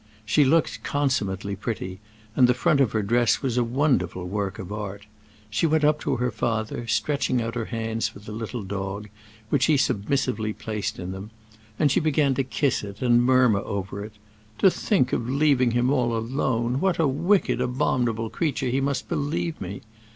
She looked consummately pretty, and the front of her dress was a wonderful work of art. She went up to her father, stretching out her hands for the little dog, which he submissively placed in them, and she began to kiss it and murmur over it: "To think of leaving him all alone,—what a wicked, abominable creature he must believe me!